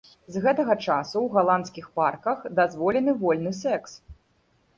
З гэтага часу ў галандскіх парках дазволены вольны секс.